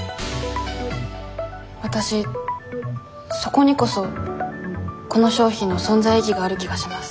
わたしそこにこそこの商品の存在意義がある気がします。